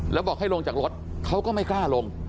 แล้วบอกให้ลงจากรถเขาก็ไม่กล้าลง